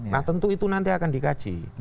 nah tentu itu nanti akan dikaji